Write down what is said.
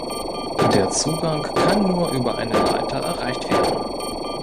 Der Zugang kann nur über eine Leiter erreicht werden.